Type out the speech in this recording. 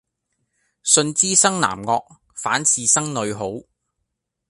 信知生男惡，反是生女好。